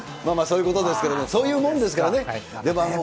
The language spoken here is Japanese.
まあまあそういうことですけれども、そういうもんですからね。